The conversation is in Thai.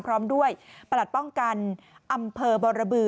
พร้อมด้วยประหลัดป้องกันอำเภอบรบือ